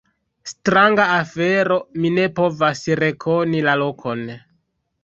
Stranga afero, mi ne povas rekoni la lokon!